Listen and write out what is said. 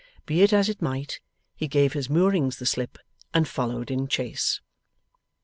Be it as it might, he gave his moorings the slip, and followed in chase.